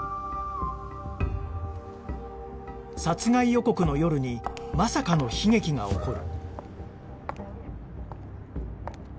殺害予告の夜にまさかの悲劇が起こる